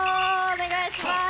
お願いします！